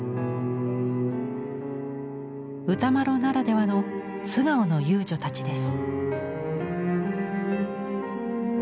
歌麿ならではの素顔の遊女たちです。